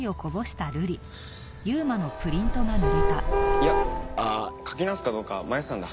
いや書き直すかどうか迷ってたんだ。